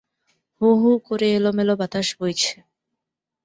হুহু করে এলোমেলো বাতাস বইছে।